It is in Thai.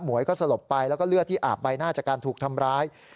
วยก็สลบไปแล้วก็เลือดที่อาบใบหน้าจากการถูกทำร้าย